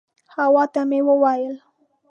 حوا ته مې وویل.